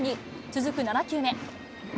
続く７球目。